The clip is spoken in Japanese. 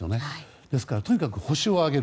ですから、とにかく腰を上げる。